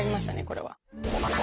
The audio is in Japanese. これは。